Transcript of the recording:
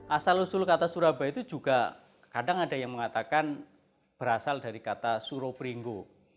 asal usul kata surabaya itu juga kadang ada yang mengatakan berasal dari kata suropringo